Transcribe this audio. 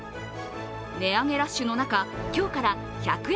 値上げラッシュの中今日から１００円